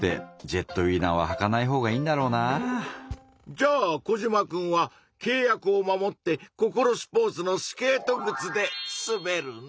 じゃあコジマくんはけい約を守ってココロスポーツのスケートぐつですべるの？